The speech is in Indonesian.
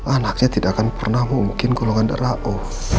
anaknya tidak akan pernah mungkin golongan darah oh